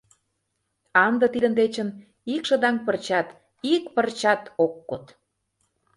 А ынде тидын дечын ик шыдаҥ парчат, ик пырчат ок код.